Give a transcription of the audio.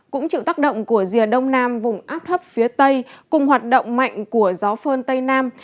cũng chịu tác động của rìa đông nam vùng áp thấp phía tây cùng hoạt động mạnh của gió phơn tây nam